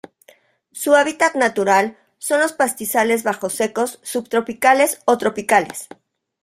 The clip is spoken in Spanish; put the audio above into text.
Su hábitat natural son los pastizales bajos secos subtropicales o tropicales.